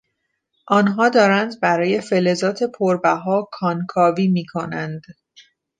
آنها دارند برای فلزات پربها کانکاوی می کنند.